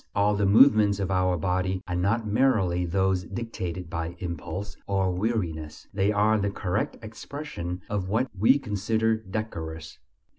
All the movements of our body are not merely those dictated by impulse or weariness; they are the correct expression of what we consider decorous.